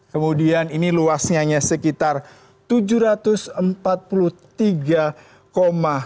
kemudian ini luasnya sekitar tujuh juta penduduk